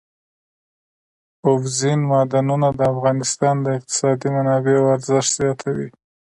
اوبزین معدنونه د افغانستان د اقتصادي منابعو ارزښت زیاتوي.